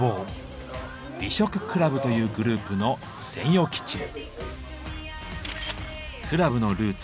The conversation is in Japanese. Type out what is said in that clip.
美食倶楽部というグループの専用キッチン。